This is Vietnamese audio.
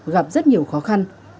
gặp rất nhiều khó khăn